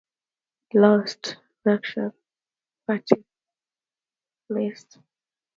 Yetylin lost the election both in the constituency and by the party list.